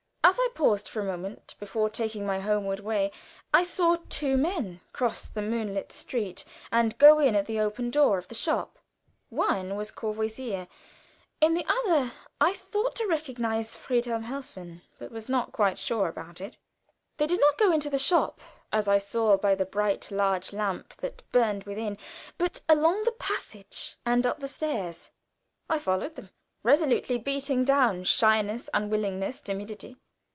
As I paused for a moment before taking my homeward way, I saw two men cross the moonlit street and go in at the open door of the shop. One was Courvoisier; in the other I thought to recognize Friedhelm Helfen, but was not quite sure about it. They did not go into the shop, as I saw by the bright large lamp that burned within, but along the passage and up the stairs. I followed them, resolutely beating down shyness, unwillingness, timidity.